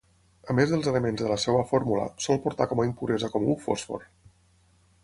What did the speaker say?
A més dels elements de la seva fórmula, sol portar com a impuresa comú fòsfor.